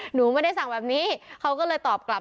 หนูไม่ได้สั่งแบบนี้เขาก็เลยตอบกลับ